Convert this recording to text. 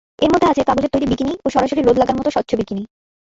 এর মধ্যে আছে কাগজের তৈরি বিকিনি ও সরাসরি রোদ লাগার মতো স্বচ্ছ বিকিনি।